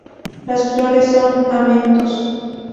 Las flores son amentos.